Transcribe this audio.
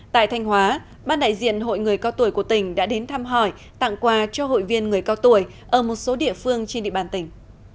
tại thanh hóa ban đại diện hội người cao tuổi của tỉnh đã đến thăm hỏi tặng quà cho hội viên người cao tuổi ở một số địa phương trên địa bàn tỉnh